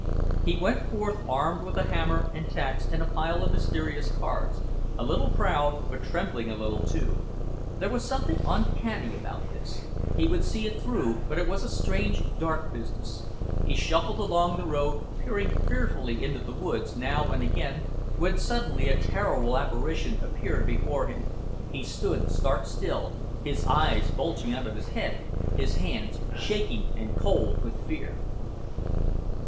He went forth armed with the hammer and tacks and a pile of mysterious cards, a little proud but trembling a little, too. There was something uncanny about this; he would see it through but it was a strange, dark business. He shuffled along the road, peering fearfully into the woods now and again when suddenly a terrible apparition appeared before him. He stood stark still, his eyes bulging out of his head, his hands shaking and cold with fear....